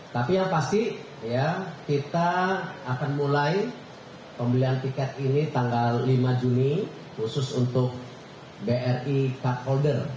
tapi yang pasti kita akan mulai pembelian tiket ini tanggal lima juni khusus untuk bri card holder